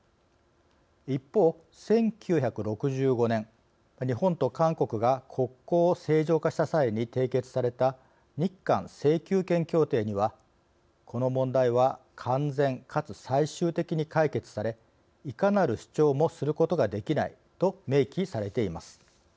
一方、１９６５年、日本と韓国が国交を正常化した際に締結された日韓請求権協定にはこの問題は「完全かつ最終的に解決されいかなる主張もすることができない」と明記されています。